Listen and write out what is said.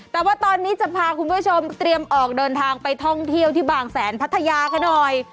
แต่ว่าตอนนี้จะพาคุณผู้ชมเตรียมออกเดินทางไปท่องเที่ยวที่บางแสนพัทยากันหน่อย